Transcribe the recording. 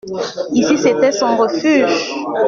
Ici, c’était son refuge.